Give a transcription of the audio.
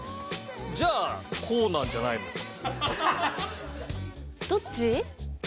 じゃあこうなんじゃないの？どっち？